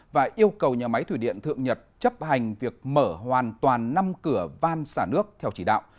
và yêu cầu nhà máy thủy điện thượng nhật chấp hành việc mở hoàn toàn năm cửa van xả nước theo chỉ đạo